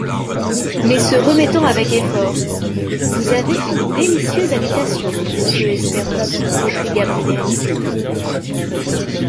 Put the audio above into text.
Mais se remettant avec effort : Vous avez une délicieuse habitation, monsieur Espérance, reprit Gabrielle.